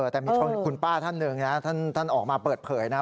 แต่มีคุณป้าท่านหนึ่งนะท่านออกมาเปิดเผยนะ